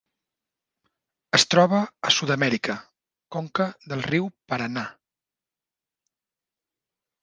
Es troba a Sud-amèrica: conca del riu Paranà.